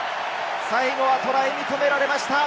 最後はトライ、認められました。